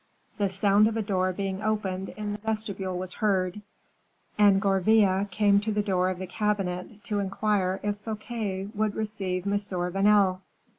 The sound of a door being opened in the vestibule was heard, and Gourville came to the door of the cabinet to inquire if Fouquet would received M. Vanel.